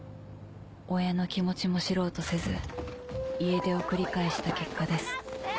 親の気持ちも知ろうとせず家出を繰り返した結果です。